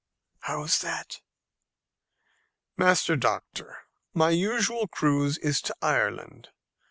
"How is that?" "Master Doctor, my usual cruise is to Ireland.